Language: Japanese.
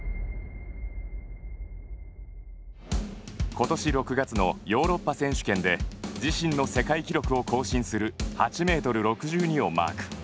今年６月のヨーロッパ選手権で自身の世界記録を更新する８ｍ６２をマーク。